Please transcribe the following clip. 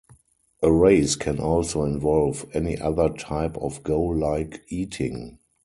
A race can also involve any other type of goal like eating.